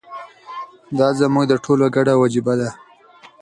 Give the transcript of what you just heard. دا زموږ د ټولو ګډه وجیبه ده.